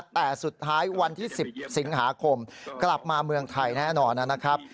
แต่สุดท้ายวันที่๑๐สิงหาคมกลับมาเมืองไทยแน่นอนนะครับ